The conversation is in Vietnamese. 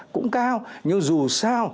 cũng cao nhưng dù sao